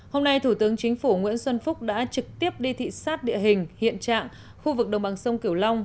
hôm nay thủ tướng chính phủ nguyễn xuân phúc đã trực tiếp đi thị xác địa hình hiện trạng khu vực đồng bằng sông kiểu long